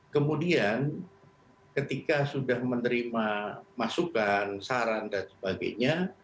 kemudian ketika sudah menerima masukan saran dan sebagainya